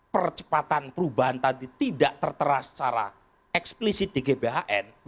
percepatan perubahan tadi tidak tertera secara eksplisit di gbhn